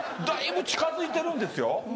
だいぶ近づいてるんですよ。